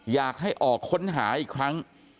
อยากให้ออกค้นหาอีกครั้ง